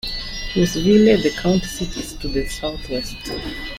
Louisville, the county seat, is to the southwest.